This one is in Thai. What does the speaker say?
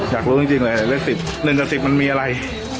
อยากรู้จริงจริงเลยได้สิบหนึ่งกับสิบมันมีอะไร